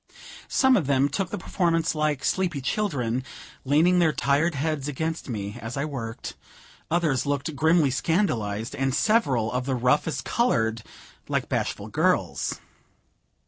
Some of them took the performance like sleepy children, leaning their tired heads against me as I worked, others looked grimly scandalized, and several of the roughest colored like bashful girls.